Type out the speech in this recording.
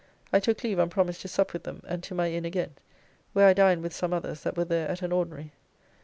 I took leave on promise to sup with them, and to my Inn again, where I dined with some others that were there at an ordinary.